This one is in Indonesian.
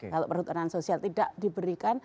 kalau perhutanan sosial tidak diberikan